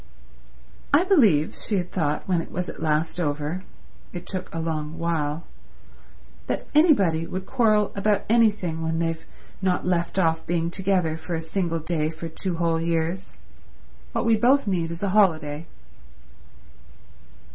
"I believe," she had thought when it was at last over—it took a long while—"that anybody would quarrel about anything when they've not left off being together for a single day for two whole years. What we both need is a holiday."